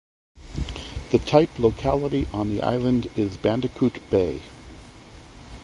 The type locality on the island is Bandicoot Bay.